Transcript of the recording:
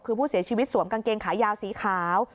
คือผู้เสียชีวิตสวมกางเกงขายาวสีขาว